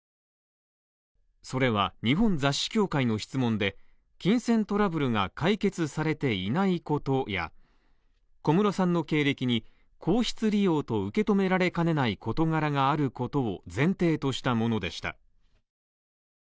それは日本雑誌協会の質問で金銭トラブルが解決されていないことや小室さんの経歴に皇室利用と受け止められかねない事柄があることを前提としたものでした。